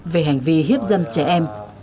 về hành vi hiếp dâm trẻ em